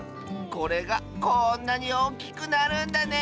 これがこんなにおおきくなるんだね！